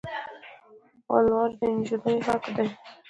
ولوړ د انجلی حق دي